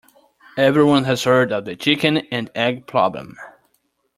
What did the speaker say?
Everyone has heard of the chicken and egg problem.